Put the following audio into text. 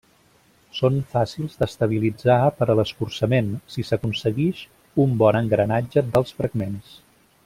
Són fàcils d'estabilitzar per a l'escurçament, si s'aconseguix un bon engranatge dels fragments.